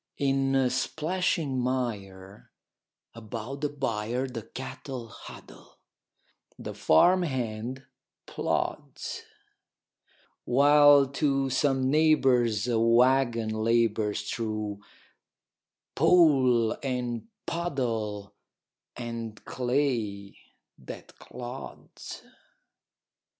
In splashing mire about the byre The cattle huddle, the farm hand plods; While to some neighbor's a wagon labors Through pool and puddle and clay that clods.